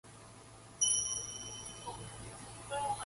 Ghosh was born in India.